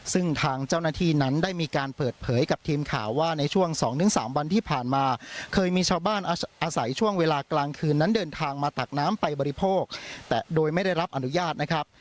ซึ่งทางเจ้าหน้าที่นั้นได้มีการเปิดเผยกับทีมข่าวว่าในช่วง๒๓วันที่ผ่านมาเคยมีชาวบ้านอาศัยช่วงเวลากลางคืนนั้นเดินทางมาตักน้ำไปบริโภคแต่โดยไม่ได้รับอนุญาตนะครับ